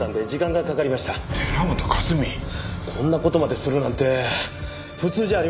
こんな事までするなんて普通じゃありません。